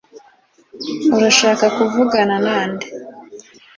urashaka kuvugana nande